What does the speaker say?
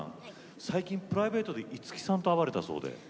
最近プライベートで五木さんと会われたそうで。